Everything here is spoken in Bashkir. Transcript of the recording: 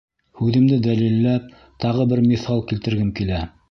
Һүҙемде дәлилләп, тағы бер миҫал килтергем килә.